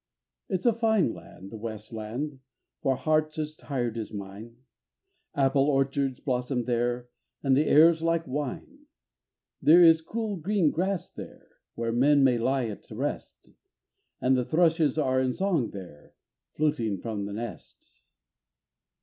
It's a fine land, the west land, for hearts as tired as mine, Apple orchards blossom there, and the air's like wine. There is cool green grass there, where men may lie at rest, And the thrushes are in song there, fluting from the nest.